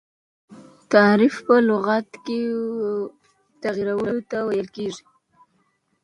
تحریف په لغت کي تغیرولو ته ویل کیږي.